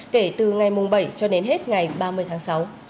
kể từ ngày mùng bảy cho đến hết ngày ba mươi tháng sáu